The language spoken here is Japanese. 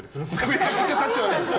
めちゃくちゃ立ち悪いです。